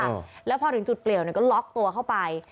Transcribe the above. แบบนี้เลยค่ะแล้วพอถึงจุดเปลี่ยวเนี่ยก็ล็อคตัวเข้าไป